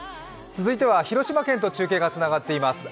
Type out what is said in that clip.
続いては、広島県と中継がつながっています。